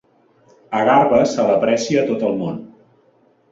A Garba se l'aprecia a tot el món.